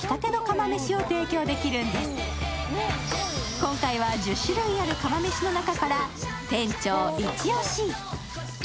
今回は１０種類ある釜飯の中から店長イチオシ。